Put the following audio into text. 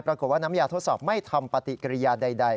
ปรากฏว่าน้ำยาทดสอบไม่ทำปฏิกิริยาใด